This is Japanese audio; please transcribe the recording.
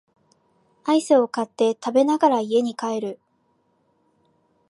アイスを買って食べながら家に帰る